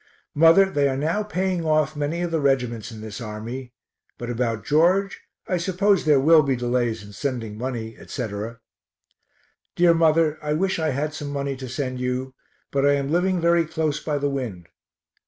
Mother, they are now paying off many of the regiments in this army but about George, I suppose there will be delays in sending money, etc. Dear mother, I wish I had some money to send you, but I am living very close by the wind.